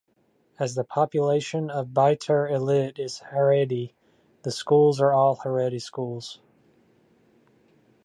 As the population of Beitar Illit is Haredi, the schools are all Haredi schools.